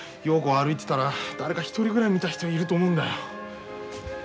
陽子が歩いてたら誰か一人ぐらい見た人いると思うんだ。